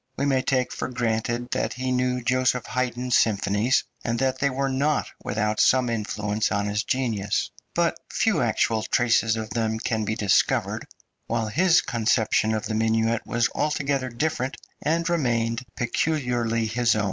We may take for granted that he knew Josef Haydn's symphonies, and that they were not without some influence on his genius; but few actual traces of them can be discovered, while his conception of the minuet was altogether different, and remained peculiarly his own.